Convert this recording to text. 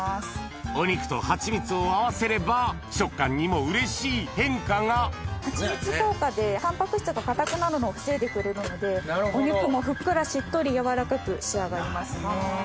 お肉とハチミツを合わせれば食感にもうれしい変化がハチミツ効果でタンパク質が硬くなるのを防いでくれるのでお肉もふっくらしっとり軟らかく仕上がりますね。